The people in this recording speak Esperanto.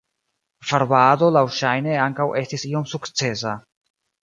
Varbado laŭŝajne ankaŭ estis iom sukcesa.